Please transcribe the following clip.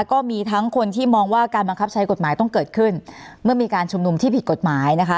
ก็มีทั้งคนที่มองว่าการบังคับใช้กฎหมายต้องเกิดขึ้นเมื่อมีการชุมนุมที่ผิดกฎหมายนะคะ